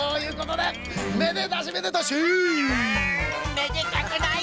めでたくない！